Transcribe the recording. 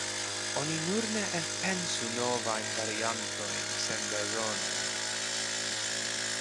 Oni nur ne elpensu novajn variantojn senbezone.